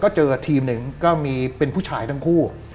ก็เจอทีมหนึ่งก็มีเป็นผู้ชายทั้งคู่